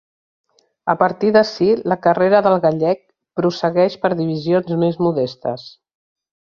A partir d'ací la carrera del gallec prossegueix per divisions més modestes.